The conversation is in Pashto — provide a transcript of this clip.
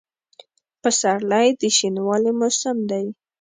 پسرلی د شنوالي موسم دی.